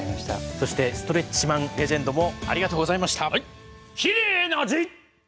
そしてストレッチマンレジェンドもありがとうございました。